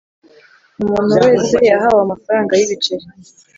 Umuntu wese yahawe amafaranga y’ ibiceri .